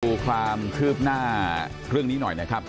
ดูความคืบหน้าเรื่องนี้หน่อยนะครับ